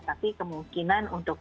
tapi kemungkinan untuk